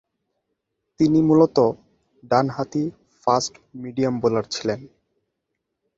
দলে তিনি মূলতঃ ডানহাতি ফাস্ট-মিডিয়াম বোলার ছিলেন।